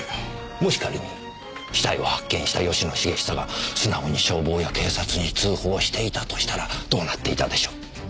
もし仮に死体を発見した吉野茂久が素直に消防や警察に通報していたとしたらどうなっていたでしょう？